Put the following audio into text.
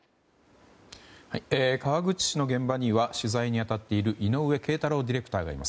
川口市の現場には取材に当たっている井上桂太朗ディレクターがいます。